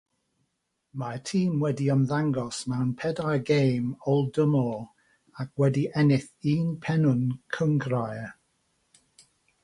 Mae'r tîm wedi ymddangos mewn pedair gêm ôl-dymor ac wedi ennill un penwn cynghrair.